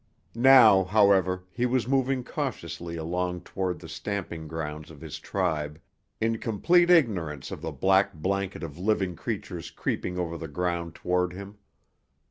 Now, however, he was moving cautiously along toward the stamping grounds of his tribe, in complete ignorance of the black blanket of living creatures creeping over the ground toward him.